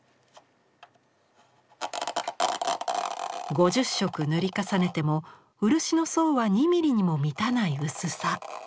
５０色塗り重ねても漆の層は２ミリにも満たない薄さ。